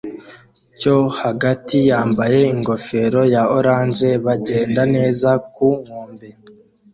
cyo hagati yambaye ingofero ya orange bagenda neza ku nkombe